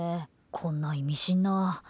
こんな意味深な。